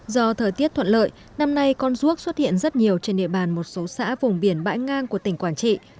do thời tiết thuận lợi năm nay con ruốc xuất hiện rất nhiều trên địa bàn một số xã vùng biển bãi ngang của tỉnh quảng trị